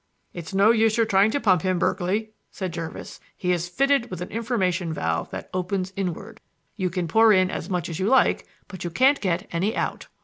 "It's no use your trying to pump him, Berkeley," said Jervis. "He is fitted with an information valve that opens inward. You can pour in as much as you like, but you can't get any out."